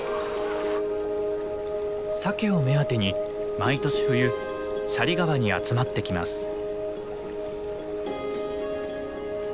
サケを目当てに毎年冬斜里川に集まってきます。